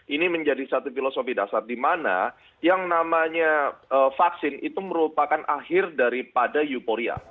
ini menjadi satu filosofi dasar di mana yang namanya vaksin itu merupakan akhir daripada euforia